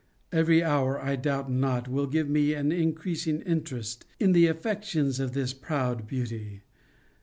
Every hour, I doubt not, will give me an increasing interest in the affections of this proud beauty.